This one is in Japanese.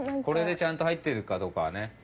これでちゃんと入ってるかどうかね。